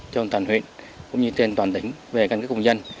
trong toàn huyện cũng như tên toàn tỉnh về căn cấp công dân